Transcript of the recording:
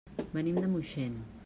Venim de Moixent.